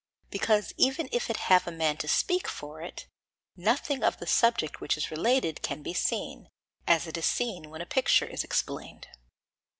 Because even if it have a man to speak for it, nothing of the subject which is related can be seen, as it is seen when a picture is explained.